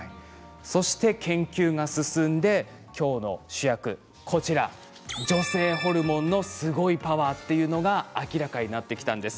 研究が進んで今日の主役女性ホルモンのすごいパワーというのが明らかになってきたんです。